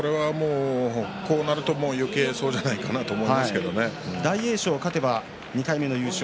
こうなるとよけいそうじゃないかなと大栄翔が勝てば２回目の優勝。